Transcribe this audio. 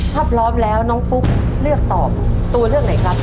ถ้าพร้อมแล้วน้องฟุ๊กเลือกตอบตัวเลือกไหนครับ